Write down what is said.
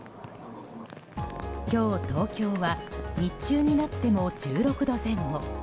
今日、東京は日中になっても１６度前後。